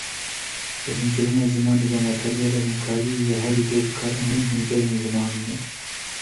Di hînkirina zimanî de materyala hînkariyê ya herî tê bikaranîn hînkerên zimanî ne.